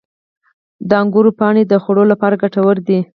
• د انګورو پاڼې د خوړو لپاره ګټور دي.